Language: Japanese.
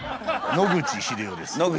野口英世です。